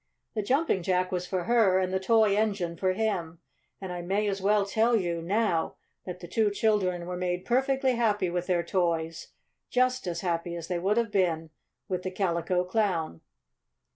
The Jumping Jack was for her and the toy engine for him. And I may as well tell you now that the two children were made perfectly happy with their toys just as happy as they would have been with the Calico Clown.